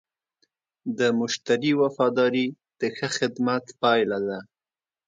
د مشتری وفاداري د ښه خدمت پایله ده.